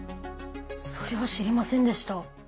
それは知りませんでした。